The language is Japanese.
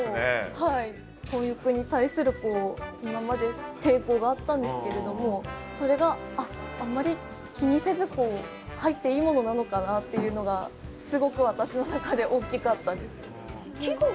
混浴に対する今まで抵抗があったんですけれどもそれがあっあんまり気にせずこう入っていいものなのかなっていうのがすごく私の中で大きかったです。